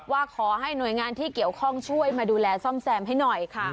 ว่าขอให้หน่วยงานที่เกี่ยวข้องช่วยมาดูแลซ่อมแซมให้หน่อยค่ะ